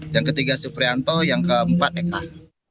yang ketiga suprianto yang keempat eka